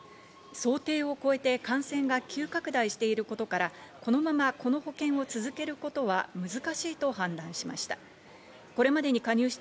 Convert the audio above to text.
想定を超えて感染が急拡大していることから、このままこの保険を続けることは難しいと判断しました。